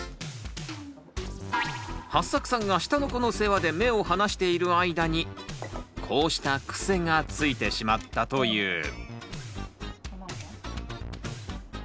はっさくさんが下の子の世話で目を離している間にこうしたクセがついてしまったという。